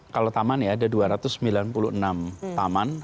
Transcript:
kalau taman ya ada dua ratus sembilan puluh enam taman